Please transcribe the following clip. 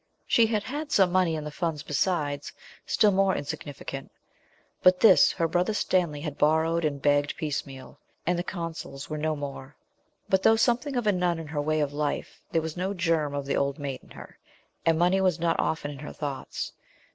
She had had some money in the Funds besides, still more insignificant but this her Brother Stanley had borrowed and begged piecemeal, and the Consols were no more. But though something of a nun in her way of life, there was no germ of the old maid in her, and money was not often in her thoughts.